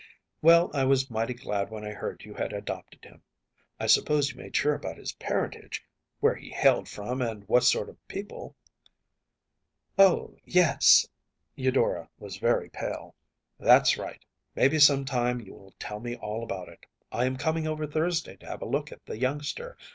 ‚ÄĚ “Well, I was mighty glad when I heard you had adopted him. I suppose you made sure about his parentage, where he hailed from and what sort of people?‚ÄĚ “Oh yes.‚ÄĚ Eudora was very pale. “That’s right. Maybe some time you will tell me all about it. I am coming over Thursday to have a look at the youngster.